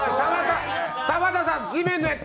田畑さん、地面のやつ